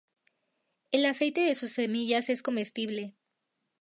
El aceite de sus semillas es comestible.